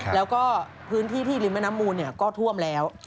แล้วก็พื้นที่ที่ริมแม่น้ำมูลก็ท่วมแล้ว